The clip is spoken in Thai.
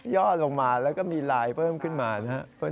่อลงมาแล้วก็มีลายเพิ่มขึ้นมานะครับ